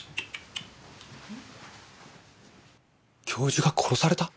教授が殺された？